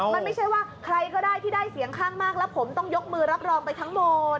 มันไม่ใช่ว่าใครก็ได้ที่ได้เสียงข้างมากแล้วผมต้องยกมือรับรองไปทั้งหมด